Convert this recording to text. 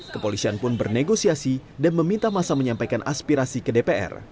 kepolisian pun bernegosiasi dan meminta masa menyampaikan aspirasi ke dpr